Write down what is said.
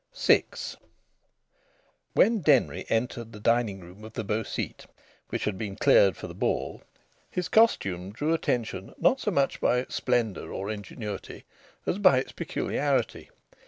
VI When Denry entered the dining room of the Beau Site, which had been cleared for the ball, his costume drew attention not so much by its splendour or ingenuity as by its peculiarity.